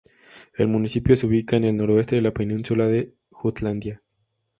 El municipio se ubica en el noreste de la península de Jutlandia.